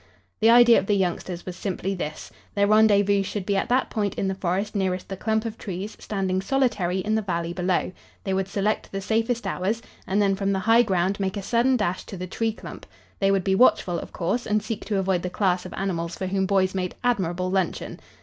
The idea of the youngsters was simply this: Their rendezvous should be at that point in the forest nearest the clump of trees standing solitary in the valley below. They would select the safest hours and then from the high ground make a sudden dash to the tree clump. They would be watchful, of course, and seek to avoid the class of animals for whom boys made admirable luncheon.